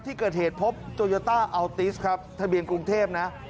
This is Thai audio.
ที่เกิดเหตุพบโตโยต้าอัลติสครับทะเบียนกรุงเทพนะ